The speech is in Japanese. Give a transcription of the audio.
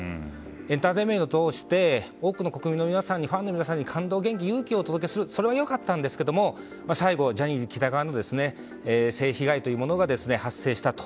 エンターテインメントを通して多くの国民ファンの皆さんに感動、勇気、元気をお届けするそれは良かったんですが最後、ジャニー喜多川の性被害が発生したと。